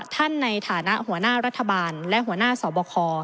ท่านในฐานะหัวหน้ารัฐบาลและหัวหน้าสอบคอ